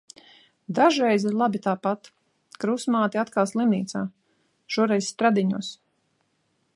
Dažreiz ir labi tāpat. Krustmāte atkal slimnīcā. Šoreiz Stradiņos.